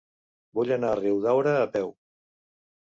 Vull anar a Riudaura a peu.